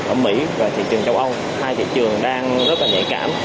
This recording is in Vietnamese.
ở mỹ và thị trường châu âu hai thị trường đang rất là nhạy cảm